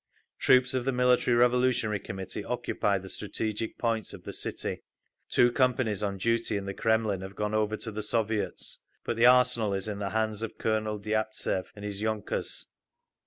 Troops of the Military Revolutionary Committee occupy the strategic points of the city; two companies on duty in the Kremlin have gone over to the Soviets, but the Arsenal is in the hands of Colonel Diabtsev and his _yunkers.